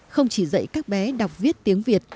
không chỉ dạy các bé đọc viết tiếng việt